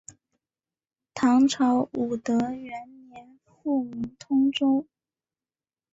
唐朝武德元年复名通州。